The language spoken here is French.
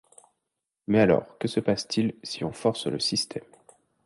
Mais alors que se passe-t-il si on force le système ?